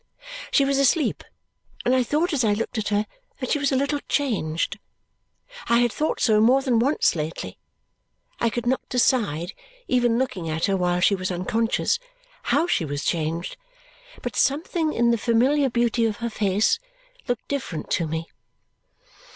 She was asleep, and I thought as I looked at her that she was a little changed. I had thought so more than once lately. I could not decide, even looking at her while she was unconscious, how she was changed, but something in the familiar beauty of her face looked different to me.